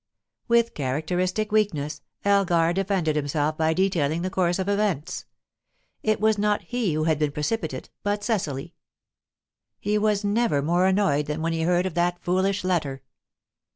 With characteristic weakness, Elgar defended himself by detailing the course of events. It was not he who had been precipitate, but Cecily; he was never more annoyed than when he heard of that foolish letter.